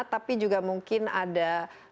tapi juga mungkin ada